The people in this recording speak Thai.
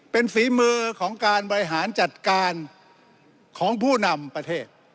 เป็นฝีมือของการบริหารจัดการของผู้นำประเทศ